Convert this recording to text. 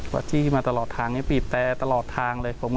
ก็จี้มาตลอดทางนี้บีบแต่ตลอดทางเลย